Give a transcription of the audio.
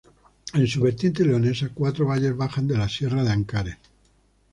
En su vertiente leonesa, cuatro valles bajan de la sierra de Ancares.